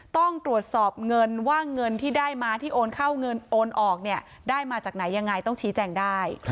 ต้องตรวจสอบเงินว่าเงินที่ได้มาที่โอนเข้าเงินโอนออกเนี่ยได้มาจากไหนยังไงต้องชี้แจงได้